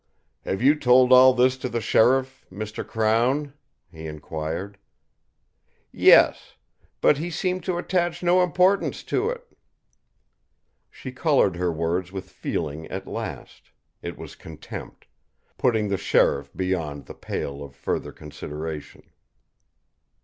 "Have you told all this to that sheriff, Mr. Crown?" he inquired. "Yes; but he seemed to attach no importance to it." She coloured her words with feeling at last it was contempt putting the sheriff beyond the pale of further consideration.